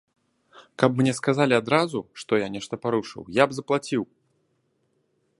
Каб мне сказалі адразу, што я нешта парушыў, я б заплаціў!